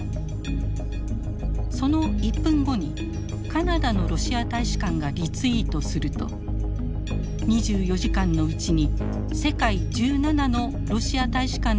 その１分後にカナダのロシア大使館がリツイートすると２４時間のうちに世界１７のロシア大使館などが次々とリツイート。